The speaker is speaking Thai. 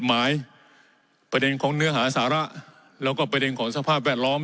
หมายประเด็นของเนื้อหาสาระแล้วก็ประเด็นของสภาพแวดล้อม